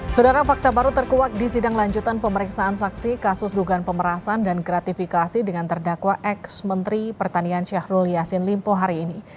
saudara fakta baru terkuak di sidang lanjutan pemeriksaan saksi kasus dugaan pemerasan dan gratifikasi dengan terdakwa ex menteri pertanian syahrul yassin limpo hari ini